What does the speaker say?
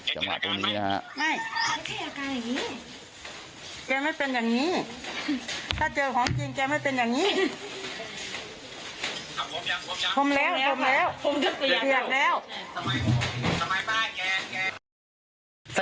จะมาตรงนี้นะฮะ